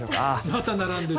また並んでる。